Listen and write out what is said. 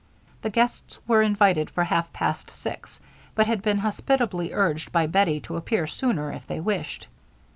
The guests were invited for half past six, but had been hospitably urged by Bettie to appear sooner if they wished.